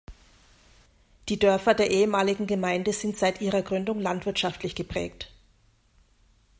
Die Dörfer der ehemaligen Gemeinde sind seit ihrer Gründung landwirtschaftlich geprägt.